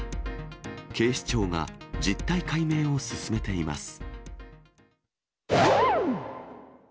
警視庁が実態解明を進めています。